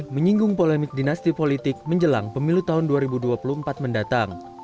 menyinggung polemik dinasti politik menjelang pemilu tahun dua ribu dua puluh empat mendatang